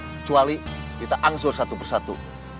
kecuali kita angsur satu persatu